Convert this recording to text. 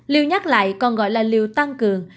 liều nhắc lại còn gọi là liều tăng cường